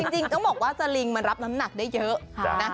จริงต้องบอกว่าสลิงมันรับน้ำหนักได้เยอะ